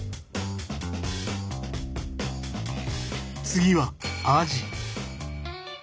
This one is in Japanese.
次はアジ。